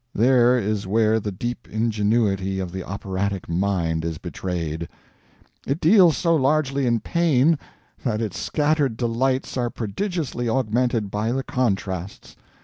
There is where the deep ingenuity of the operatic idea is betrayed. It deals so largely in pain that its scattered delights are prodigiously augmented by the contrasts.